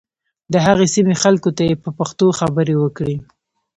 د هغې سیمې خلکو ته یې په پښتو خبرې وکړې.